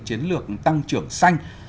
chiến lược tăng trưởng xanh